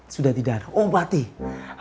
sudah tidak ada obat sih